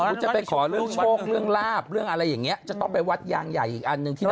จะไปขอเรื่องโชคเรื่องลาบเรื่องอะไรอย่างเงี้จะต้องไปวัดยางใหญ่อีกอันหนึ่งที่